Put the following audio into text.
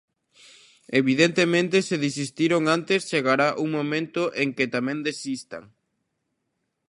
Evidentemente, se desistiron antes, chegará un momento en que tamén desistan.